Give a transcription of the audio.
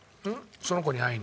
その子に会いに。